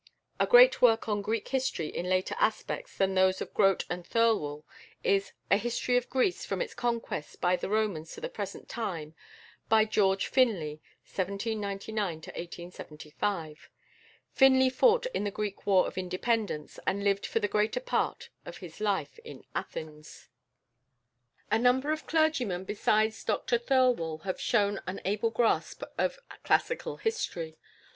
A great work on Greek history in later aspects than those of Grote and Thirlwall is "A History of Greece, from its Conquest by the Romans to the Present Time," by =George Finlay (1799 1875)=. Finlay fought in the Greek War of Independence, and lived for the greater part of his life in Athens. A number of clergymen besides Dr Thirlwall have shown an able grasp of classical history.